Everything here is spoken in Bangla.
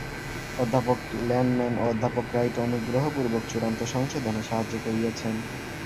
অধ্যাপক ল্যানম্যান ও অধ্যাপক রাইট অনুগ্রহপূর্বক চূড়ান্ত সংশোধনে সাহায্য করিয়াছেন।